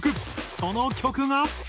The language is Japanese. その曲が。